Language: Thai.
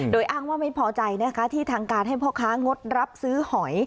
โดยอ้างว่าไม่พอใจนะคะที่ทางการให้พ่อค้างดรับซื้อหอย